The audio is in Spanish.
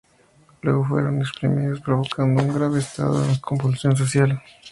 Luego fueron reprimidos provocando un grave estado de convulsión social.